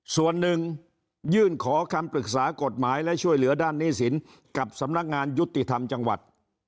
ส่วนหนึ่งยื่นขอคำปรึกษากฎหมายและช่วยเหลือด้านหนี้สินกับสำนักงานยุติธรรมจังหวัด